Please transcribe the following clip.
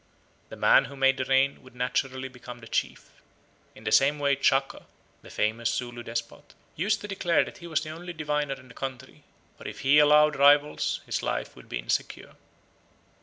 The man who made the rain would naturally become the chief. In the same way Chaka [the famous Zulu despot] used to declare that he was the only diviner in the country, for if he allowed rivals his life would be insecure."